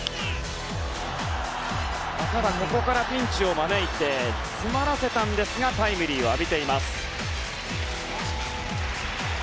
ただ、ここからピンチを招き詰まらせたんですがタイムリーを浴びています。